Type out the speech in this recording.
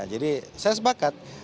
jadi saya sepakat